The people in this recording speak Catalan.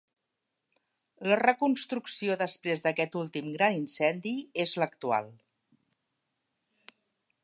La reconstrucció després d'aquest últim gran incendi és l'actual.